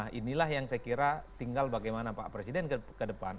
nah inilah yang saya kira tinggal bagaimana pak presiden ke depan